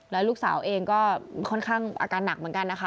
แล้วลูกสาวเองก็ค่อนข้างอาการหนักเหมือนกันนะคะ